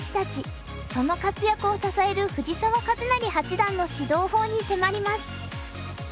その活躍を支える藤澤一就八段の指導法に迫ります。